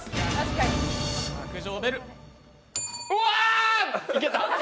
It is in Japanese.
うわ！